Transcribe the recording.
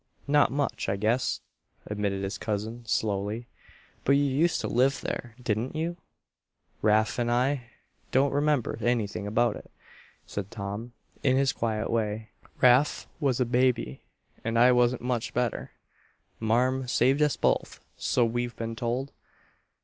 "Not much, I guess," admitted his cousin, slowly. "But you used to live there, didn't you?" "Rafe and I don't remember anything about it," said Tom, in his quiet way. "Rafe was a baby and I wasn't much better. Marm saved us both, so we've been told.